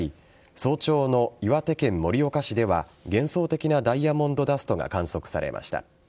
早朝の岩手県盛岡市では幻想的なダイヤモンドダストが観測されました。